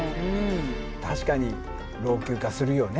確かに老朽化するよね。